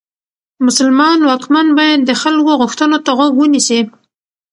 مسلمان واکمن باید د خلکو غوښتنو ته غوږ ونیسي.